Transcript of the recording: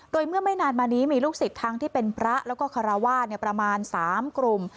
โดยเมื่อไม่นานมานี้มีลูกศิษย์ทั้งที่เป็นพระแล้วก็คาราวาสประมาณ๓กลุ่ม